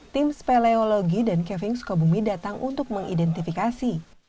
tim speleologi dan keving sukabumi datang untuk mengidentifikasi